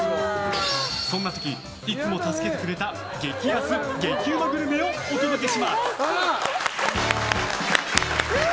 そんな時、いつも助けてくれた激安激うまグルメをお届けします。